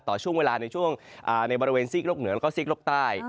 ต่อช่วงเวลาในช่วงในบริเวณซีกโลกเหนือแล้วก็ซีกโลกใต้